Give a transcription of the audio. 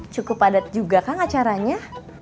cukup padat juga kang acaranya